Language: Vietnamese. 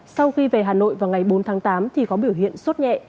sau khi về hà nội vào ngày bốn tháng tám thì có biểu hiện sốt nhẹ